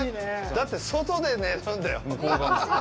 だって、外で寝るんだよ。